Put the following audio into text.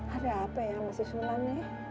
ada apa ya mas isman